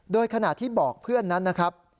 โดยขณะที่บอกเพื่อนนั้นนะครับ